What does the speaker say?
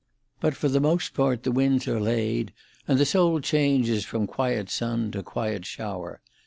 But for the most part the winds are laid, and the sole change is from quiet sun to quiet shower.